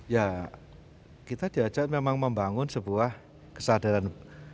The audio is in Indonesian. ya kita diajak memang membangun sebuah kesadaran